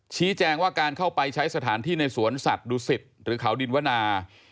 ชี้แจงว่าการเข้าไปใช้สถานที่ในสวนสัตว์ดูสิตหรือเขาดินวนา